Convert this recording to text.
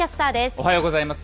おはようございます。